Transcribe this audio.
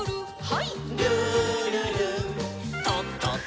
はい。